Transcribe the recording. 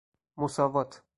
مساوات